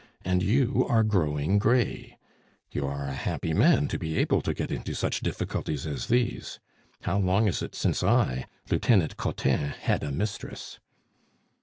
And you are growing gray; you are a happy man to be able to get into such difficulties as these! How long is it since I Lieutenant Cottin had a mistress?"